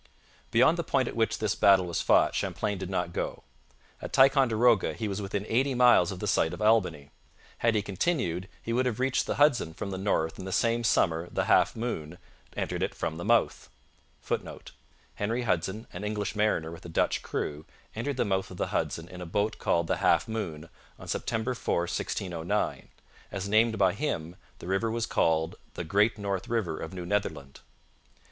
Beyond the point at which this battle was fought Champlain did not go. At Ticonderoga he was within eighty miles of the site of Albany. Had he continued, he would have reached the Hudson from the north in the same summer the Half Moon [Footnote: Henry Hudson, an English mariner with a Dutch crew, entered the mouth of the Hudson in a boat called the Half Moon on September 4, 1609. As named by him, the river was called the 'Great North River of New Netherland.'